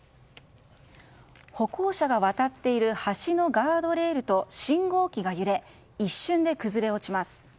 歩行者が渡っている橋のガードレールと信号機が揺れ一瞬で崩れ落ちます。